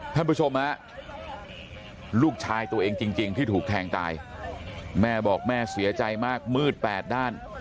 ท่านผู้ชมฮะลูกชายตัวเองจริงที่ถูกแทงตายแม่บอกแม่เสียใจมากมืดแปดด้าน